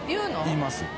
言います。